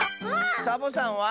サボさんは？